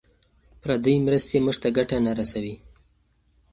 پردۍ مرستې موږ ته ګټه نه رسوي.